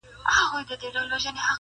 • دا مې یاران دي یاران څۀ ته وایي ..